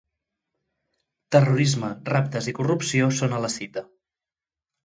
Terrorisme, raptes i corrupció són a la cita.